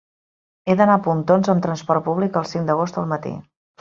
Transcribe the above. He d'anar a Pontons amb trasport públic el cinc d'agost al matí.